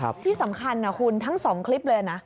แล้วที่สำคัญคุณทั้ง๒คลิปเลยนะ